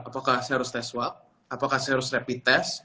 apakah saya harus tes swab apakah saya harus rapid test